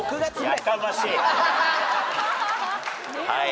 はい。